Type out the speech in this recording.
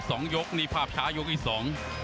สองยกนี่ภาพช้ายกที่สอง